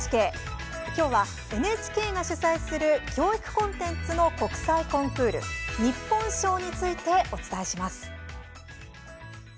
今日は、ＮＨＫが主催する教育コンテンツの国際コンクール日本賞について、お伝えします。